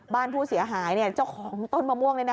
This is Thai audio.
บ้านผู้เสียหายเจ้าของต้นมะม่วง